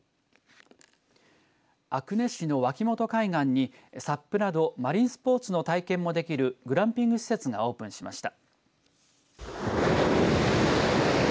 阿久根市の脇本海岸にサップなどマリンスポーツの体験もできるグランピング施設がオープンしました。